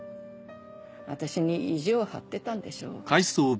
私に意地を張ってたんでしょう。